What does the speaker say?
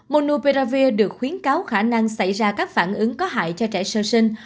monupiravir được khuyến cáo khả năng xảy ra các phản ứng có hại cho trẻ sơ sinh